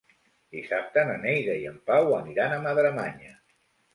Dissabte na Neida i en Pau aniran a Madremanya.